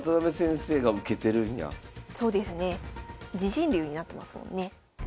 自陣竜になってますもんね。